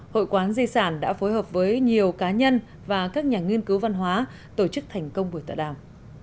hội quán di sản đã phối hợp với nhiều cá nhân và các nhà nghiên cứu văn hóa tổ chức thành công buổi tọa đàm